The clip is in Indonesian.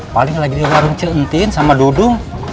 paling lagi di warung cil ntin sama dudung